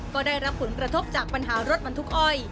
ก็ได้รับผลกระทบจากปัญหารถบรรทุกอ้อย